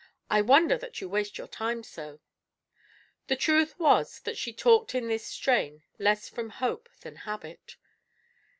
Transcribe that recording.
I wonder that you waste your time so." The truth was that she talked in this strain less from hope than habit.